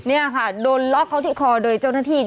นี่ค่ะโดนล็อกเขาที่คอโดยเจ้าหน้าที่